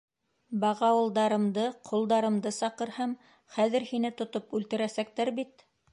Бағауылдарымды, ҡолдарымды саҡырһам, хәҙер һине тотоп үлтерәсәктәр бит.